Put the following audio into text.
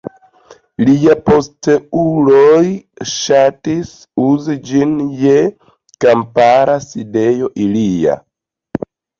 Liaj posteuloj ŝatis uzi ĝin je kampara sidejo ilia.